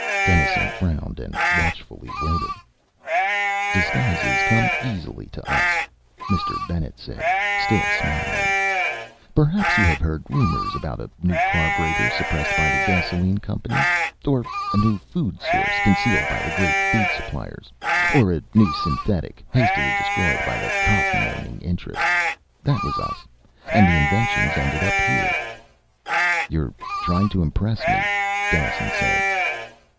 Dennison frowned and watchfully waited. "Disguises come easily to us," Mr. Bennet said, still smiling. "Perhaps you have heard rumors about a new carburetor suppressed by the gasoline companies, or a new food source concealed by the great food suppliers, or a new synthetic hastily destroyed by the cotton owning interests. That was us. And the inventions ended up here." "You're trying to impress me," Dennison said.